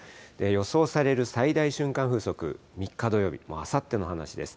予想される最大瞬間風速、３日土曜日、あさっての話です。